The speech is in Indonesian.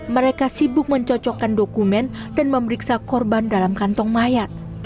mereka sibuk mencocokkan dokumen dan memeriksa korban dalam kantong mayat